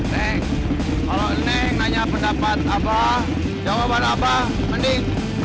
neng kalau neng nanya pendapat abah jawaban abah mending